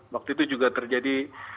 waktu itu juga terjadi